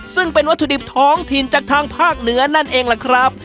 ซึ่งเป็นวัตถุดิบท้องถิ่นจากทางภาคเหนือนั่นเองล่ะครับ